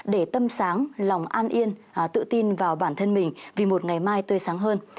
để tâm sáng lòng an yên tự tin vào bản thân mình vì một ngày mai tươi sáng hơn